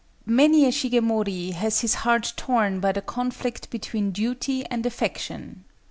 Many a Shigemori has his heart torn by the conflict between duty and affection.